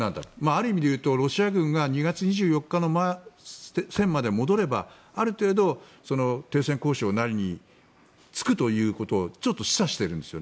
ある意味でいうとロシア軍が２月２４日の前の線まで戻ればある程度、停戦交渉なりにつくことを示唆しているんです。